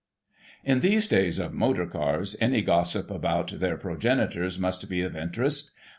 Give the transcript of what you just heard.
In these days of Motor Cars, any gossip about their pro genitors must be of interest.